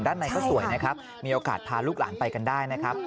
ในก็สวยนะครับมีโอกาสพาลูกหลานไปกันได้นะครับ